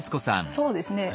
そうですね